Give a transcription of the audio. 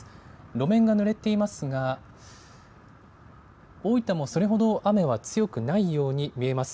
路面がぬれていますが、大分もそれほど雨は強くないように見えます。